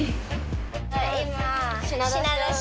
今。